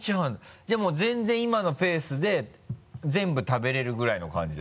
じゃあもう全然今のペースで全部食べれるぐらいの感じで？